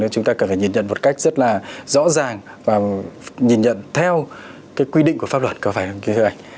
nên chúng ta cần phải nhìn nhận một cách rất là rõ ràng và nhìn nhận theo cái quy định của pháp luật có phải không kính thưa anh